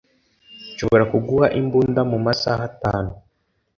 Nshobora kuguha imbunda mu masaha atanu.